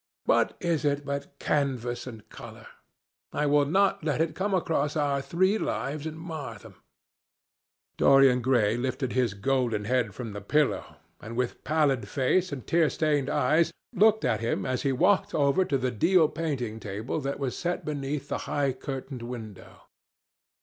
What is it but canvas and colour? I will not let it come across our three lives and mar them." Dorian Gray lifted his golden head from the pillow, and with pallid face and tear stained eyes, looked at him as he walked over to the deal painting table that was set beneath the high curtained window.